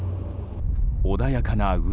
穏やかな海。